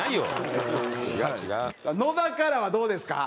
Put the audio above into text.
野田からはどうですか？